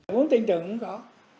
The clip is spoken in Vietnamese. muốn tình tưởng cũng có